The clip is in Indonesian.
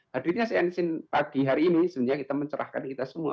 hadirnya saya nampak pagi hari ini sebenarnya kita mencerahkan kita semua